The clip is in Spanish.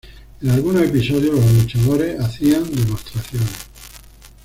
En algunos episodios, los luchadores hacían demostraciones.